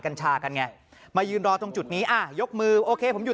กัญชากันไงมายืนรอตรงจุดนี้อ่ายกมือโอเคผมอยู่